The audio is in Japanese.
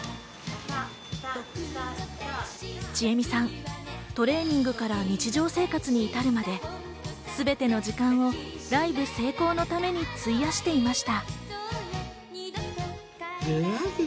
ちえみさん、トレーニングから日常生活に至るまで、すべての時間をライブ成功のために費やしていました。